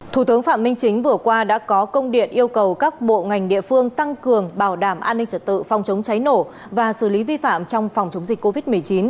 thủ tướng phạm minh chính vừa qua đã có công điện yêu cầu các bộ ngành địa phương tăng cường bảo đảm an ninh trật tự phòng chống cháy nổ và xử lý vi phạm trong phòng chống dịch covid một mươi chín